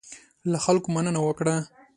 له خلکو مننه وکړه.